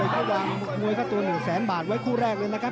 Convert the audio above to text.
โดยเข้าดังมุกมวยก็ตัวหนึ่งแสนบาทไว้คู่แรกเลยนะครับ